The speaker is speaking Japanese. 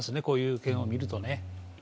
こういうのを見るとね。